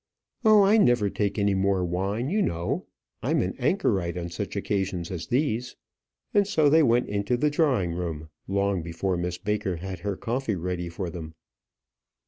"Oh, I never take any more wine, you know. I'm an anchorite on such occasions as these." And so they went into the drawing room, long before Miss Baker had her coffee ready for them.